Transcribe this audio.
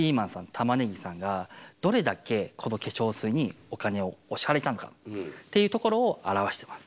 たまねぎさんがどれだけこの化粧水にお金をお支払いしたのかっていうところを表してます。